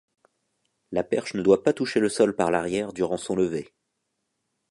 La perche ne doit pas toucher le sol par l’arrière durant son lever.